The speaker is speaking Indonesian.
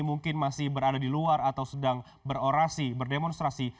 mungkin masih berada di luar atau sedang berorasi berdemonstrasi